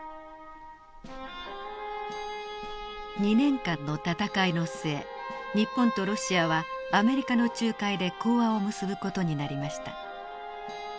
２年間の戦いの末日本とロシアはアメリカの仲介で講和を結ぶ事になりました。